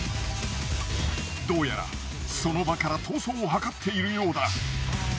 どうやらその場から逃走をはかっているようだ。